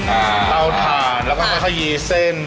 อ่าเอาถ่านแล้วก็มะขยีเส้น